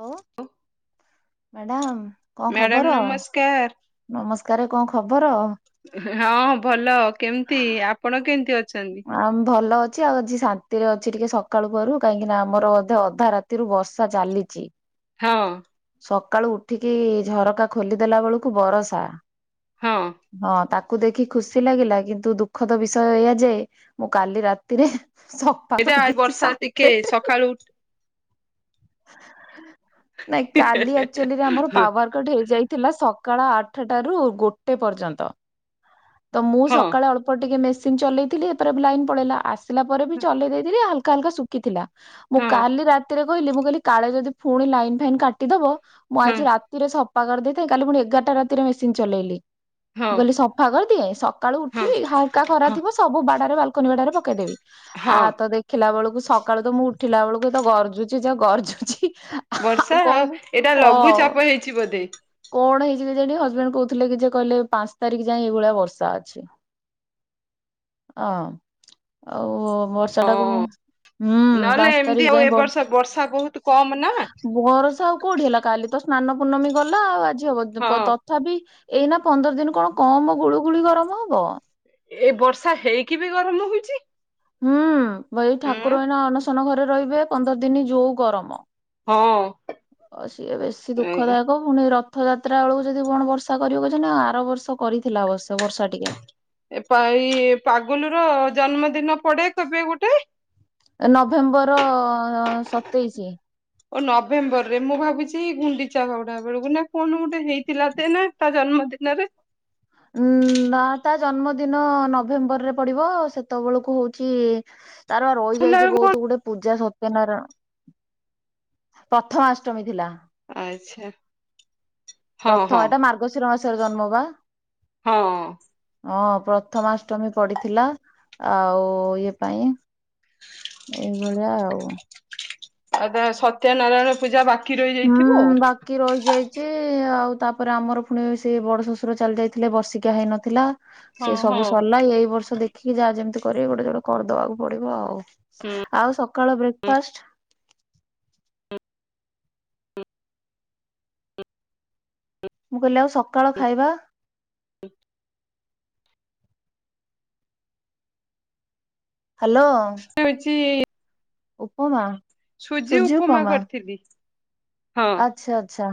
ହ ମ୍ୟାଡାମ। କଣ ଖବର? ମ୍ୟାଡାମ୍ ନମସ୍କାର୍। ନମସ୍କାର କଣ ଖବର? ହଁ ଭଲ। କେମିତି ଆପଣ କେମତି ଅ ଆ ଭଲ ଅ ଛି ଆଉ ଆଜି ଶାନ୍ତିରେ ଅଛି ଟିକେ ସକାଳୁ ପହରୁ। କାହିଁକି ନା ଆମର ଅଧେ ଅଧା ରାତିରୁ ବର୍ଷା ଚାଲିଛି। ହଁ। ସକାଳୁ ଉଠିକି ଝରକା ଖୋଲିଦେଲା ବେଳକୁ ବରସା। ହଁ ହଁ ତା କୁ ଦେଖି ଖୁସି ଲାଗିଲା। କିନ୍ତୁ ଦୁଃଖ ତ ବିଷୟ ଏଇଆ ଯେ ମୁଁ କାଲି ରାତିରେ ସଫା ଏଇଟା କରିଦେଇଛି ବର୍ଷା ସାତ ଟିକେ ପେଟ୍ ସକାଳୁ ଉଠ ନାଇଁ କାଲି ଆକ୍ଚୁଆଲିରେ ଆମର ପାୱାର କଟ ହେଇଯାଇ ଥିଲା ସକାଳ ଆଠଟା ରୁ ଗୋଟେ ପର୍ଯ୍ୟନ୍ତ। ତ ମୁଁ ହଁ ସକାଳେ ଅଳ୍ପ ଟିକେ ମେସିନ୍ ଚଲେଇଥିଲି। ଏପରେ ଲାଇନ୍ ପଳେଇଲା ଆସିଲା ପରେ ବି ଚଲେଇ ଦେଇଥିଲି। ହା ହାଲକା ହାଲକା ଶୁଖିଥିଲା। ମୁଁ ହଁ କାଲି ରାତିରେ କହିଲି ମୁଁ କହିଲି କାଳେ ଯଦି ପୁଣି ଲାଇନ ଫାଇନ୍ କାଟିଦବ ମୁଁ ଆଜି ହଁ ରାତିରେ ସଫା କରିଦେଇଥାଏ। କାଲି ପୁଣି ଏଗାରଟା ରାତିରେ ମେସିନି ଚଲେଇଲି। ମୁଁ ହଁ କହିଲି ସଫା କରିଦିଏ। ସକାଳୁ ହଁ ଉଠିବି ହାଙ୍କକା ଖରା ହଁ ଥିବ ସବୁ ବାଡାରେ ବାଲ କୁଇନ ବାଟାରେ ପକେଇଦେବି। ହଁ ଆଉ ତ ଦେଖିଲା ବେଳକୁ ସକାଳୁ ତ ମୁଁ ଉଠିଲା ବେଳକୁ ତ ଗର୍ଜୁଛି ଯା ଗର୍ଜୁଛି। ବର୍ଷା ଆଉ ଏଇଟା ହ ଲଘୁଚାପ ହେଇଛି ବୋଧେ? କଣ ହେଇଛି କେଜାଣି ହଜବେଣ୍ଡ କହୁଥିଲେ କି ଯେ କହିଲେ ପାଞ୍ଚ ତାରିଖ ଯାଏ ଏଇଭଳିଆ ବର୍ଷା ଅଛି। ହଁ ଆଉ ହଁ ବର୍ଷାଟାକୁ ହୁଁ ନହେଲେ ପାଞ୍ଚ ଏମିତି ତାରିଖ ଆଉ ଯାଏ ଏ ବରଷା ବର୍ଷ ବର୍ଷା ବହୁତ କମ ନା ଆଉ କୋଉଠି ହେଲା କାଲି ତ ସ୍ନାନ ପୂର୍ଣ୍ଣମୀ ଗଲା ଆଉ ଆଜି ହଁ ହବ ତଥାପି ଏଇନା ପନ୍ଦର ଦିନ କଣ କମ ଗୁଳୁ ଗୁଳି ଗରମ ହବ ଏ ବର୍ଷା ହେଇକି ବି ଗରମ ହଉଛି। ହୁଁ ଭାଇ ଠାକୁର ଉଁ ଏଇନା ଅଣସନ ଘରେ ରହିବେ ପନ୍ଦର ଦିନ ଯୋଉ ଗରମ ହଁ ସିଏ ବେଶୀ ଏ ଦୁଃଖଦାୟକ ପୁଣି ରଥ ରଥଯାତ୍ରା ବେଳକୁ ଯଦି କଣ ବର୍ଷା କରିବ କହୁଛ ନା ଆର ବର୍ଷ କରିଥିଲା ଅବଶ୍ୟ ବର୍ଷା ଟିକେ ଏ ଏଇ ପାଗୁଲ ର ଜନ୍ମଦିନ ପଡେ କେବେ ଗୋଟେ ନଭେମ୍ବର ଅ ଅ ସତେଇଶି ଓ ନଭେମ୍ବର ରେ ମୁଁ ଭାବୁଛି ଗୁଣ୍ଡିଚା ବାହୁଡା ବେଳକୁ ନା କଣ ଗୋଟେ ହେଇଥିଲା ତ ନା ତା ଜନ୍ମ [inaudible] ହୁଁ। ନା ତା ଜନ୍ମଦିନ ନଭେମ୍ବରରେ ପଡିବ ସେତେବେଳକୁ ହଉଛି ତାର ହେଲା ରହିଯାଇଛି ବେଳକୁ ବହୁତ ଗୁଡେ ପୂଜା ସତ ପ୍ରଥମାଷ୍ଟମୀ ଥିଲା। କଣ ଆଚ୍ଛା। ହଁ ପ୍ରଥମ ହଁ ଏଟା ମାର୍ଗଶିର ମାସର ଜନ୍ମ ବା ହଁ ହଁ। ପ୍ରଥମାଷ୍ଟମୀ ପଡିଥିଲା, ଆଉ ଇଏ ପାଇଁ ଏଇଭଳିଆ ଆଉ। ଆଉ ତା ସତ୍ୟନାରାୟଣ ପୂଜା ବାକି ହୁଁ ରହିଯାଇଥିବ ବାକି ରହିଯାଇଛି ଆଉ ତାପରେ ଆମର ପୁଣି ସେ ବଡ ଶ୍ୱଶୁର ଚାଲି ଯାଇଥିଲେ ବର୍ଷିକିଆ ହେଇନଥିଲା। ସିଏ ଆଉ ହଁ ସବୁ ହଁ ସରିଲା ଏଇ ବର୍ଷ ଦେଖିକି ଯାହା ଯେମିତି କରି ଗୋଟେ ଜୋଡେ କରିଦବାକୁ ପଡିବ ଆଉ ହୁଁ। ଆଉ ସକାଳ ବ୍ରେକଫାଷ୍ଟ [inaudible] ମୁଁ କହିଲି ଆଉ ସକାଳ ଖାଇବା? ହ୍ୟାଲୋ! ହଉଛି ଉପମା। ସୁଜି ଉପମା କରିଥିଲି। ହଁ ଆଚ୍ଛା ଆଚ୍ଛା।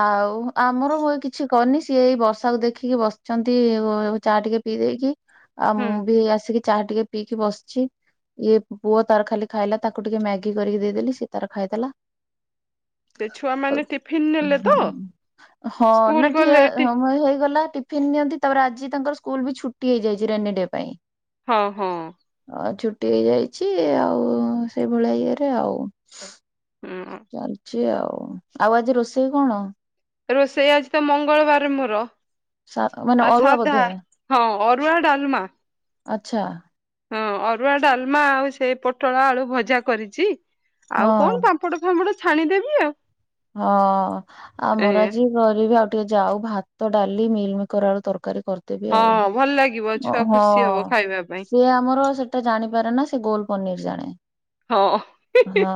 ଆଉ ଆମର ମୁଇ କିଛି କରିନି ସିଏ ଏଇ ବର୍ଷାକୁ ଦେଖିକି ବସିଛନ୍ତି ଉମ ଚା ଟିକେ ପିଇ ଦେଇକି ଆଉ ହୁଁ। ମୁଁ ବି ଆସିକି ଚା ଟିକେ ପିଇକି ବସିଛି। ଇଏ ପୁଅ ତାର ଖାଲି ଖାଇଲା ତାକୁ, ଟିକେ ମ୍ୟାଗି କରିକି ଦେଇଦେଲି ସିଏ ତାର ଖାଇଦେଲା। ସେ ଛୁଆ ମାନେ ଟିଫିନ ନେଲେ ତ ହଁ ସ୍କୁଲ ନା ଠି ଗଲେ ଆ ଏଠି ଆ ହେଇଗଲା। ଟିଫିନ ନିଅନ୍ତି ତାପରେ ଆଜି ତାଙ୍କର ସ୍କୁଲ ବି ଛୁଟି ହେଇଯାଇଛି ରେନି ଡେ ପାଇଁ। ହଁ ହଁ। ଛୁଟି ହେଇଯାଇଛି ଆଉ ସେଇଭଳିଆ ଇଏରେ ଆଉ। ହୁଁ। ଚାଲିଛି ଆଉ ଆଉ ଆଜି ରୋଷେଇ କଣ? ରୋଷେଇ ଆଜି ତ ମଙ୍ଗଳବାର ମୋର ସା ମାନେ ଆ ଅରୁଆ ସାଧା ବୋଧେ ହଁ ଅରୁଆ ଡାଲମା। ଆଚ୍ଛା। ହଁ ଅରୁଆ ଡାଲମା ଆଉ ସେଇ ପୋଟଳ ଆଳୁ ଭଜା କରିଛି। ହଁ। ଆଉ କଣ ପାମ୍ପଡ ଫାମ୍ପଡ ଛାଣିଦେବି ଆଉ। ହଁ ଆଉ ଏ ମୋର ଆଜି ଗରିବି ଆଉ ଟିକେ ଯାଉ ଭାତ, ଡାଲି, ମିଲମିକର ଆଳୁ ତରକାରୀ କରିଦେବି ଆଉ, ହଁ ଭଲ ଲାଗିବ ଛୁଆ ହଁ ଖୁସି ହବ ଖାଇବା ପାଇଁ ସିଏ ଆମର ସେଟା ଜାଣିପାରେନା ଗୋଲ ପନିର ଜାଣେ, ହଁ ହଁ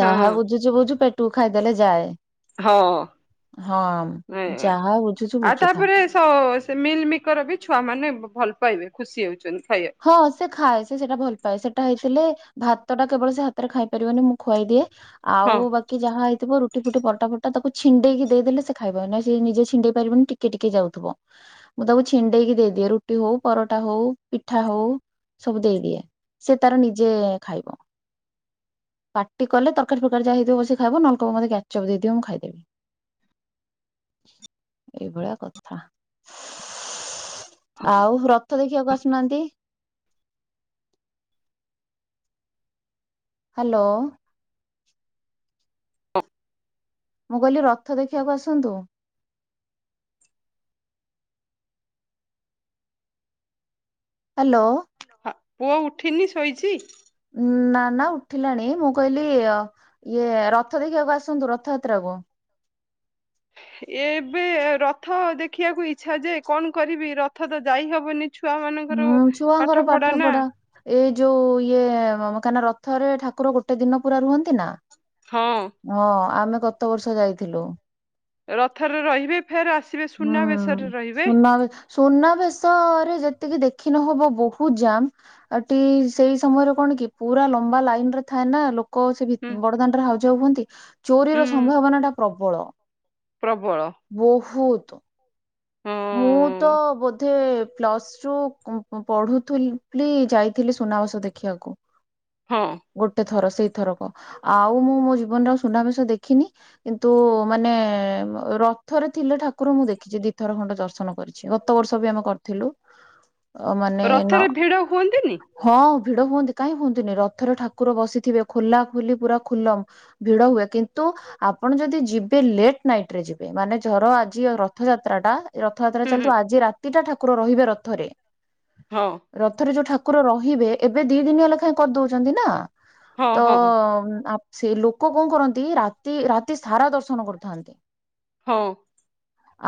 ଯାହା ହଁ ବୁଝୁଛୁବୁଝ ପେ ଟୁ ଖାଇଦେଲେ ଯାଏ। ହଁ ହଁ। ଯାହା ବୁଝୁଛୁ ଆଉ ବୁଝୁଥା। ତାପରେ ସେ ମିଲ୍ ମିକର ବି ଛୁଆ ମାନେ ଭଲ ପାଇବେ ଖୁସି ହେଉଛନ୍ତି। ହଁ ସେ ଖାଏ ସେ ସେଇଟା ଭଲ ପାଏ। ସେଟା ହେଇଥିଲେ ଭାତ ଟା କେବଳ ସେ ହାତରେ ଖାଇ ପାରିବନି ମୁଁ ଖୁଆଇଦିଏ ହଁ ଆଉ ବାକି ଯାହା ହେଇଥିବ ରୁ ରୁଟି ଫୁଟି ପରଟା ଫରଟା ତାକୁ ଛିଣ୍ଡେଇକି ଦେଇଦେଲେ ସେ ଖାଇବିଁ ନହେଲେ ସେ ନିଜେ ଛିଣ୍ଡେଇ ପାରିବନି ଟିକେ ଟିକେ ଯାଉଥିବ ମୁଁ ତାକୁ ଛିଣ୍ଡେଇକି ଦେଇଦିଏ ରୁଟି ହଉ ପରଟା ହଉ ପିଠା ହଉ ସବୁ ଦେଇଦିଏ। ସେ ତାର ନିଜେ ଖାଇବ। ପାଟି କଲେ ତରକାରୀ ଫରକାରୀ ଯାହା ହେଇଥିବ ବସି ଖାଇବ ନହେଲେ କହିବ ମୋତେ କ୍ୟାଚ ଅପ ଦେଇଦିଅ ମୁଁ ଖାଇଦେବି। ଏଇଭଳିଆ କଥା ଆଉ ରଥ ଦେଖିବାକୁ ଆସୁନାହାନ୍ତି। ହାଲୋ। ମୁ କହିଲି ରଥ ଦେଖିବାକୁ ଆସନ୍ତୁ। ହାଲୋ। ପୁଅ ଉଠିନି ଶୋଇଛି? ନା ନା ଉଠିଲାଣି ମୁଁ କହିଲି ଇଏ ରଥ ଦେଖିବାକୁ ଆସନ୍ତୁ ରଥଯାତ୍ରାକୁ ବ ଏବେ ରଥ ଦେଖିବାକୁ ଇଛା ଯେ କଣ କରିବି ରଥ ତ ଯାଇହବନି ହୁଁ ଛୁଆଙ୍କର ପାଠ ନା ପଢା ଏଇ ଯୋଉ ଇଏ କାଇନା ରଥରେ ଠାକୁର ଗୋଟେ ଦିନ ପୁରା ରୁହନ୍ତି ନା ହଁ ହଁ ଆମେ ଗତ ବର୍ଷ ଯାଇଥିଲୁ। ରଥରେ ରହିବେ ଫେର ଆସିବେ ହୁଁ ସୁନାବେଶରେ ରହିବେ ସୁନାବେ ସୁନାବେଶ ରେ ଯେତିକି ଦେ ଦେଖି ନହେବ ବହୁତ ଜାମ ଟି ସେଇ ସମୟରେ କଣ କି ପୁରା ଲମ୍ବା ଲାଇନ ରେ ଥାଏ ନା ଲୋକ ସେ ଭି ହୁଁ ବଡଦାଣ୍ଡରେ ହାଉଜାଉ ହୁଅନ୍ତି ଚୋରିର ହୁଁ ସମ୍ଭାବନା ଟା ପ୍ରବଳ ପ୍ରବଳ ବହୁତ ମୁଁ ତ ହଁ ବୋଧେ ପ୍ଲସ୍ ଟୁ ପ ପ ପଢ଼ୁଥିଲି ଯାଇଥିଲି ସୁନାବେସ ଦେଖିବାକୁ। ହଁ। ଗୋଟେ ଥର ସେଇ ଥରକ ଆଉ ମୁଁ ମୋ ଜୀବନରେ ଆଉ ସୁନାବେଶ ଦେଖିନି କିନ୍ତୁ ମାନେ ରଥରେ ଥିଲେ ଠାକୁର ମୁଁ ଦେଖିଛି ଦି ଥର ଖଣ୍ଡେ ଦର୍ଶନ କରିଛି। ଗତ ବର୍ଷ ବି ଆମେ କରିଥିଲୁ। ଅ ମାନେ ନ ରଥରେ ଭିଡ ହୁଅନ୍ତିନି ହଁ ଭିଡ ହୁଅନ୍ତି କାଇ ହୁଅନ୍ତିନି ରଥରେ ଠାକୁର ବସିଥିବେ ଖୋଲା ଖୋଲି ପୁରା ଖୁଲମ ଭିଡ ହୁଏ କିନ୍ତୁ ବ ଆପଣ ଯଦି ଯିବେ ଲେଟ୍ ନାଇଟରେ ଯିବେ ମାନେ ଧର ଆଜି ରଥଯା ତ୍ରାଟା ରଥଯାତ୍ରା ହୁଁ ହୁଁ ଚାଲିଥିବ ଆଜି ରାତିଟା ଠାକୁର ରହିବେ ରଥରେ। ହଁ ରଥରେ ଯୋଉ ଠାକୁର ରହିବେ ଏବେ ଦି ଦିନିଆ ଲେଖାଏ କରିଦଉଛନ୍ତି ନା ହଁ ତ ହଁ ଆପ ସେ ଲୋକ କଣ କରନ୍ତି ରାତି ରାତି ସାରା ଦର୍ଶନ କରୁଥାନ୍ତି। ହୋଉ।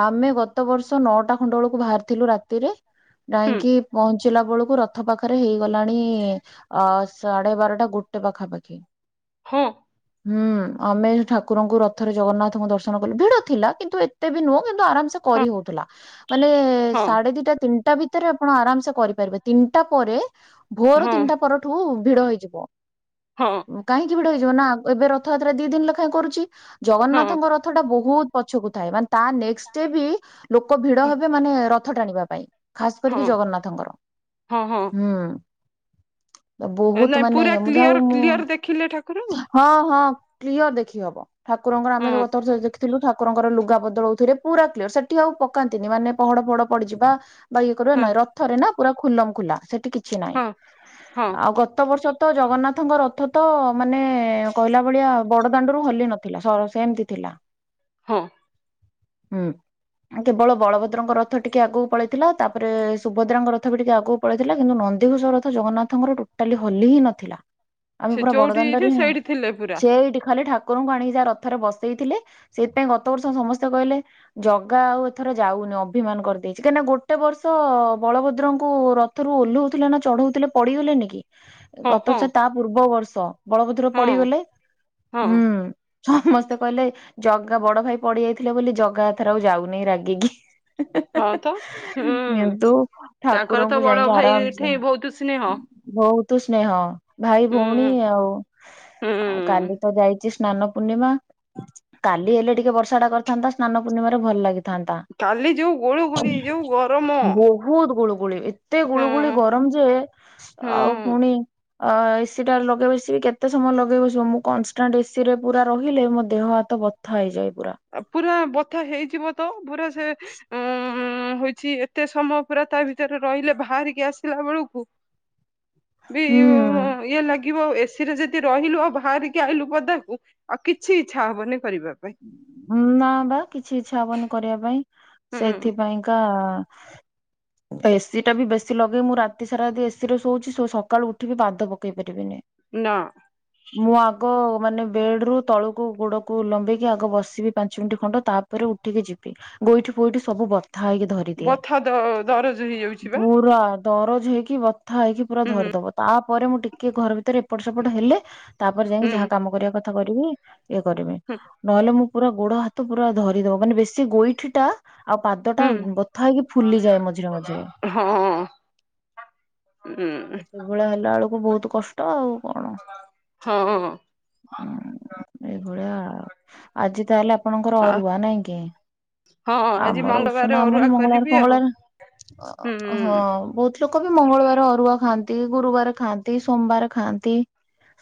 ଆମେ ଗତ ବର୍ଷ ନଅଟା ଖଣ୍ଡ ବେଳକୁ ବାହାରିଥିଲୁ ରାତିରେ ହୁଁ ଯାଇକି ପହ ଞ୍ଚିଲା ବେଳକୁ ରଥ ପାଖରେ ହେଇଗଲାଣି ଅ ସାଢେ ବାରଟା ଗୋଟେ ପାଖାପାଖି ହଁ। ହୁଁ ଆମେ ଠାକୁରଙ୍କୁ ରଥରେ ଜଗନ୍ନାଥଙ୍କୁ ଦର୍ଶନ କଲୁ ଭିଡ ଥିଲା କିନ୍ତୁ ଏତେ ବି ନୁହଁ ଇଏ ତ ଆରାମସେ କରି ହୋଉଥିଲା ମାନେ ହଁ ସାଢ଼େ ଦିଇଟା ତିନ୍ ତିନିଟା ଭିତରେ ଆପଣ ଆରାମସେ କରିପାରିବେ ତିନିଟା ପରେ ହଁ ଭୋର ହଁ ତିନିଟା ପରଠୁ ଭିଡ ହେଇଯିବ ହଁ କାହିଁକି ଭିଡ ହେଇଯିବ ନା ଏବେ ରଥଯାତ୍ରା ଦି ଦିନ ଲେଖାଏଁ କରୁଛି ହଁ ହଁ ଜଗନ୍ନାଥଙ୍କ ରଥ ଟା ବହୁତ ପଛକୁ ଥାଏ ମାନେ ତା ନେକ୍ସ ଡେ ବି ଲୋକ ଭିଡ ହଁ ହେବେ ମାନେ ରଥ ଟାଣିବା ପାଇଁ ଖାସ୍ କରିକି ହଁ ଜଗନ୍ନାଥଙ୍କର ହଁ ହଁ ହୁଁ ବହୁତ ନାଇଁ ମାନେ ପୁରା ମୁଁ ଯାଉ କ୍ଲିଅର ମୁଁ କ୍ଲିଅର ଦେଖିଲେ ଠାକୁରଙ୍କୁ ହଁ ହଁ। କ୍ଲିଅର ଦେଖି ହବ। ଠାକୁରଙ୍କର ଆମେ ହଁ ଗତ ବର୍ଷ ଦେଖିଥିଲୁ ଠାକୁରଙ୍କର ଲୁଗା ବଦଳଉଥିଲେ। ପୁରା କ୍ଲିୟର ସେଠି ଆଉ ପକାନ୍ତିନି। ମାନେ ପହଡ ପହଡ ପଡିଯିବା। ବା ଇଏ କରିବା ହଁ ନାଇଁ ରଥରେ ନା ପୁରା ଖୁଲମ ଖୁଲା ସେଠି କିଛି ନାହିଁ। ହଁ ହଁ ଆଉ ଗତ ବର୍ଷ ତ ଜଗନ୍ନାଥଙ୍କ ରଥ ତ ମାନେ କହିଲା ଭଳିଆ ବଡଦାଣ୍ଡରୁ ହଲି ନଥିଲା। ସ-ସେମିତି ଥିଲା। ଲା। ହଁ। ହୁଁ। କେବଳ ବଳଭଦ୍ରଙ୍କ ରଥ ଟିକେ ଆଗକୁ ପଳେଇଥିଲା। ତାପରେ ସୁଭଦ୍ରାଙ୍କ ରଥ ବି ଟିକେ ଆଗକୁ ପଳେଇଥିଲା। କିନ୍ତୁ ନହ ନନ୍ଦିଘୋସ ରଥ ଜଗନ୍ନାଥଙ୍କର ଟୋଟାଲି ହଲି ହିଁ ନଥିଲା। ଆମେ ସେ ପୁରା ଯୋଉଠି ଥିଲେ ବଡଦାଣ୍ଡରେ ହି ସେଇଠି ଥିଲେ ପୁରା ସେ ଏଇଠି ଖାଲି ଠାକ କୁରଙ୍କୁ ଆଣିକି ଯାହା ରଥରେ ବସେଇଥିଲେ। ସେଇଥିପାଇଁ ଗତବର୍ଷ ସମସ୍ତେ କହିଲେ ଜଗା ଆଉ ଏଥର ଯାଉନି। ଅଭିମାନ କରିଦେଇଛି। କାହିଁକିନା ଗୋଟେ ବର୍ଷ ବଳଭଦ୍ରଙ୍କୁ ଥରୁ ଓହ୍ଲଉଥିଲେ ନା ଚଢଉଥିଲେ ପଡିଗଲେନି କି? ହଁ ହଁ ଗତବର୍ଷ ତା ପୂର୍ବ ବର୍ଷ ବଳଭଦର ହଁ ପଡିଗଲେ। ହଁ ସମସ୍ତେ କହିଲେ ଜଗା ବଡ ଭାଇ ପଡି ଯାଇଥିଲେ ବୋଲି ଜଗା ଏଥର ଆଉ ଯାଉନେଇ ରାଗିକି। ହଁ ତ ହୁଁ କିନ୍ତୁ ତାଙ୍କର ତ ଠାକୁରଙ୍କୁ ବଡ ଯାଇକି ଭାଇ ଆରାମ୍ସେ ଠେଇଁ ବହୁତ ସ୍ନେହ ବହୁତ ତୁ ସ୍ନେହ ଭାଇ ଭଉଣୀ ହୁଁ ଆଉ କାଲି ତ ଯାଇଛି ସ୍ନାନ ପୂର୍ଣ୍ଣିମା। ହ। କାଲି ହେଲେ ଟିକେ ବର୍ଷା ଟା କରିଥାନ୍ତା। ସ୍ନାନ ପୂର୍ଣିମାରେ ଭଲ ଲାଗି ଥାନ୍ତା କାଲି ଯୋଉ ଗୋଳୁ ଗୋଳି ଯୋଉ ଗରମ ବହୁତ୍ ଗୁଳୁ ଗୁଳି ଏତେ ଗୁଳୁ ଗୁଳି ହୁଁ ଗରମ ଯେ ଆଉ ହୁଁ ପୁଣି ଅ ଏସି ଟା ଲଗେଇ ବସିିବ କେତେ ସମୟ ଲଗେଇ ବସିବ। ମୁଁ କନଷ୍ଟାଣ୍ଟ ଏସି ରେ ପୁରା ରହିଲେ ମୋ ଦେହ ହାତ ବଥା ହେଇଯାଇ ପୁରା ବଥା ହେଇଯିବ ତ ପୁରା ସେ ଉ ଉଁ ହେଇଛି ଏତେ ସମୟ ପୁରା ତା ଭିତରେ ରହିଲେ। ବାହାରିକି ଆସିଲା ବେଳକୁ ବି ହୁଁ ଇଏ ଲା ଗିବ ଏସି ରେ ଯଦି ରହିଲୁ ଆଉ ବାହାରିକି ଆଣିଲୁ ପଦାକୁ ଆଉ କିଛି ଇଚ୍ଛା ହବନି। କରିବା ପାଇଁ। ନା ବା କିଛି ଇଛା ହବନି କରିବା ପାଇଁ। ହୁଁ ସେଇଥିପାଇଁକା ଏସି ଟା ବି ବେଶୀ ଲଗେଇ ମୁଁ ରାତି ସାରା ଯଦି ଏସିି ରେ ଶୋଉଛି ସକାଳୁ ଉଠିବି ପାଦ ପକେଇ ପାରିବିନି। ନା। ମୁଁ ଆଗ ମାନେ ବେଡ୍ ରୁ ତଳକୁ ଗୋଡକୁ ଲମ୍ବେଇ ଆଗ ବସିବି ପାଞ୍ଚ ମିନିଟ ଖଣ୍ଡେ। ତାପରେ ଉଠିକି ଯିବି। ଗୋଉଠି ପୋଇଠି ସବୁ ବତ୍ ଥା ହେଇକି ଧରିଦିଏ ବଥା ଦ ଦରଜ ହେଇଯାଉଛି ବା ପୁରା। ଦରଜ ହେଇକି ବଥା ହେଇକି ପୁରା ହୁଁ ଧରିଦବ। ତାପରେ ମୁଁ ଟିକେ ଘର ଭିତରେ ଏପଟ ସେପଟ ହେଲେ ତାପରେ ଯାଇକି ଯାହା କାମ କରିବା କଥା କରିବି। ଇଏ କରିବି। ହୁଁ। ନହେଲେ ମୁଁ ପୁରା ଗୋଡ ହାତ ପୁରା ଧରିଦବ। ମାନେ ବେଶୀ ଗୋଇଠି ଟା ଆଉ ପାଦ ଟା ହୁଁ ବଥା ହେଇକି ଫୁଲିଯାଏ। ମଝିରେ ମଝିରେ। ହଁ ହଁ ହୁଁ ସେଭଳିଆ ହେଲା ବେଳକୁ ବହୁତ କଷ୍ଟ ଆଉ କଣ? ହଁ। ଉଁ ଏଇଭଳିଆ। ଆଜି ତାହେଲେ ଆପଣଙ୍କର ହଁ ଅରୁଆ ନାଇଁ କି? ହଁ ଆଜି ଆମର ମଙ୍ଗଳବାର ଉଷନା ଆମର ଅରୁଆ ମଙ୍ଗଳବାର କରିବି ଆଉ ହୁଁ ଫଙ୍ଗଳବାର। ହଁ ବହୁତ ଲୋକ ବି ମଙ୍ଗଳବାର ଅରୁଆ ଖାଆନ୍ତି। ଗୁରୁବାର ଖାଆନ୍ତି। ସୋମବାର ଖାଆନ୍ତି।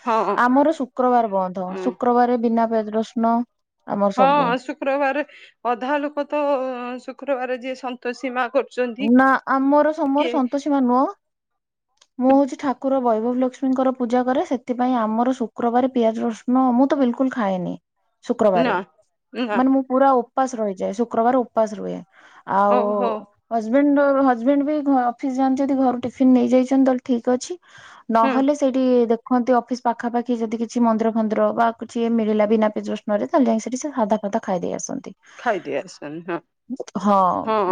ହଁ ଆମର ଶୁକ୍ରବାର ବନ୍ଧ। ଉଁ ଶୁକ୍ରବାର ବିନା ପିଆଜ ରସୁଣ ଆମର ହଁ ସବୁ ଶୁକ୍ରବାର ଅଧା ଲୋକ ତ ଶୁକ୍ରବାର ଯିଏ ସନ୍ତୋଷୀ ମା କରୁ ନା ଆମର ସମ ମର ସନ୍ତୋଷୀ ମା ନୁହଁ। ମୁଁ ହଉଛି ଠାକୁର ବୟ ଭୁ ଲକ୍ଷ୍ମୀଙ୍କର ପୂଜା କରେ ସେଥିପାଇଁ ଆମର ଶୁକ୍ରବାର ପିଆଜ ରସୁଣ ମୁଁ ତ ବିଲକୁଲ ଖାଏନି। ଶୁକ୍ରବାର ନା ନା ମାନେ ମୁଁ ପୁରା ଉପାସ ରହିଯାଏ ଶୁକ୍ରବାର ଉପାସ ରୁହେ। ଆଉ ହଉ ହଉ ହଜବେଣ୍ଡ ହଜବେଣ୍ଡ ବି ଘ ଅଫିସ ଯାଆନ୍ତି ଯଦି ଘରୁ ଟିଫିିନ ନେଇଯାଇଛନ୍ତି ତ ଠିକ୍ ଅଛି। ହୁଁ ନହେଲେ ସେଇଠି ଦେଖ କୁହନ୍ତି ଅଫିସ ପାଖାପାଖି ଯଦି କିଛି ମନ୍ଦିର ଫନ୍ଦିର ବା କିଛିଏ ମିଳିଲା ବିନା ପିଆଜ ରସୁଣ ରେ ତାହେଲେ ଯାଇ ସେଠି ସେ ସାଧା ତ ଖାଇ ଦେଇ ଆସନ୍ତି ଖାଇଦେଇ ଆସନି ହଁ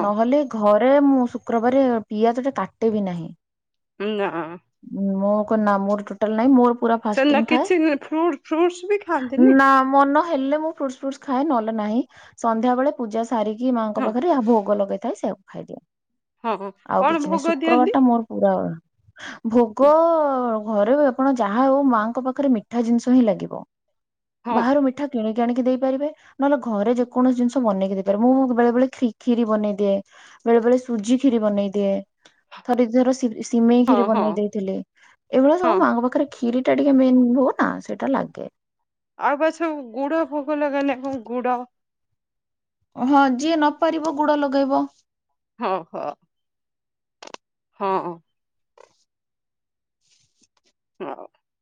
ନହେଲେ ଘରେ ମୁଁ ଶୁକ୍ରବାର ପିଆଜଟେ କାଟେବି ନାହିଁ। [unintelligible] ମୋ ନା ମୋର ଟୋଟାଲ ନାଇଁ ମୋର ପୁରା ଫାଷ୍ଟି ସେଦିନ ଥାଏ। କିଛି ଫ୍ରୁଟ ଫ୍ରୁଟସ ବି ଖାଆନ୍ତିନି ନା ମ ହେଲେ ମୁଁ ଫ୍ରୁଟ୍ସ ଫ୍ରୁଟ୍ସ ଖାଏ ନହେଲେ ନାହିଁ। ସନ୍ଧ୍ୟାବେଳେ ପୂଜା ସ ସାରିକି ମାଆଙ୍କ ହଁ ପାଖରେ ଭୋଗ ଲଗେଇଥାଏ ସେୟକୁ ଖାଇଦିଏ। ହଁ ଆଉ କଣ କିଛି ନାହିଁ ଭୋଗ ଶୁକ୍ରବାର ଦିଅନ୍ତି ଟା ମୋର ପୁରା ଭୋଗ ଅ ଘରେ ଆପଣ ଯାହା ହଉ ମାଙ୍କ ପାଖରେ ମିଠା ଜିନିଷ ହିଁ ଲାଗିବ। ହଁ ବାହାରୁ ମିଠା କିଣିକି ଆଣିକି ଦେଇପାରିବେ ନହେଲେ ଘରେ ଯେକୌଣସି ଜିନିଷ ବେଇକି ଦେଇପାରିବ ମୁଁ ବେଳେବେଳେ ଖ ଖିୀ ବନେଇଦିଏ। ବେଳେ ବେଳେ ସୁଜି ଖିରି ବନେଇ ଦିଏ। ଥରେ ଦିଥର ସିମେଇ ହଁ ଖିରି ହଁ ବନେଇ ଦେଇେଥିଲି। ଏଇଭଳିଆ ହଁ ସବୁ ମାଆଙ୍କ ପାଖରେ ସବୁ ଖିରି ସେଟା ଟିକେ ମେନ୍ ଭୋଗ ନା ସେଇଟା ଲାଗେ। ଆଉ ବା ସବୁ ଗୁଡ ଭୋଗ ଲଗାନ୍ତି କଣ ଗୁଡ ହଁ ଯିଏ ନପାରିବ ଗୁଡ଼ ଲଗେଇବ। ହଁ ହଁ ହଁ [unintelligible]